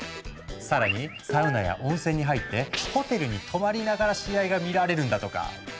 更にサウナや温泉に入ってホテルに泊まりながら試合が見られるんだとか。